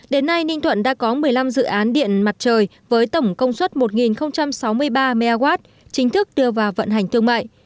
đến nay ninh thuận đã có một mươi năm dự án điện mặt trời với tổng công suất một sáu mươi ba mw chính thức đưa vào vận hành thương mại